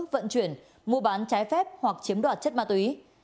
vận chuyển mua bán trái phép hoặc chiếm đoạt chất ma túy